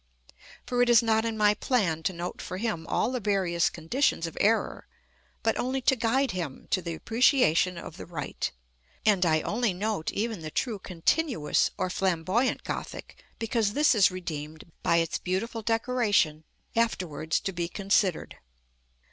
For it is not in my plan to note for him all the various conditions of error, but only to guide him to the appreciation of the right; and I only note even the true Continuous or Flamboyant Gothic because this is redeemed by its beautiful decoration, afterwards to be considered.